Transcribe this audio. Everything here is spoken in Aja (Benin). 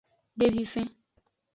Devifen.